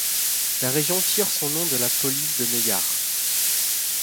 La région tire son nom de la polis de Mégare.